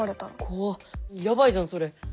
怖っやばいじゃんそれ。